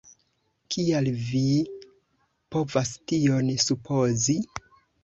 kial vi povas tion supozi?